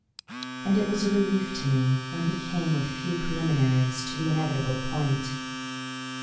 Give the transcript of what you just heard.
And it was a relief to me when he came with few preliminaries to the inevitable point.